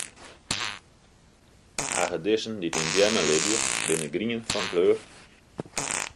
Hagedissen dy't yn beammen libje, binne grien fan kleur.